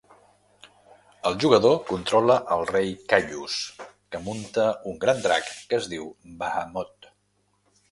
El jugador controla el rei Kayus, que munta un gran drac que es diu Bahamoot.